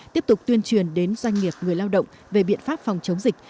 tiếp tục tuyên truyền đến doanh nghiệp người lao động về biện pháp phòng chống dịch